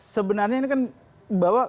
sebenarnya ini kan bahwa